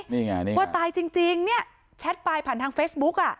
นี่ไงนี่ว่าตายจริงเนี่ยแชทไปผ่านทางเฟซบุ๊กอ่ะ